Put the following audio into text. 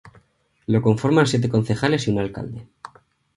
Lo conforman siete concejales y un alcalde.